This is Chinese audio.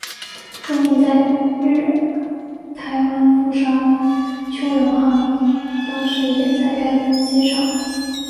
著名在日台湾富商邱永汉当时也在该班机上。